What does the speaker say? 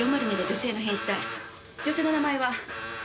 女性の名前は？